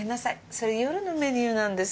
それ夜のメニューなんです。